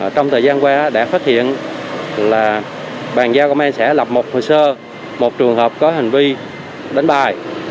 trong thời gian qua đã phát hiện là bàn giao công an xã lập một hồ sơ một trường hợp có hành vi đánh bài